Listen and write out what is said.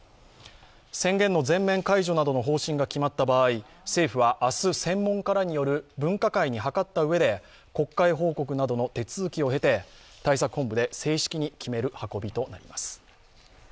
宣言の全面解除などの方針が決まった場合政府は明日専門家らによる分科会に諮ったうえで国会報告などの手続きを経て対策本部で正式に決める運びとなります。